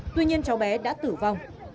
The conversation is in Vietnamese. tuy nhiên cháu bé đã tử vong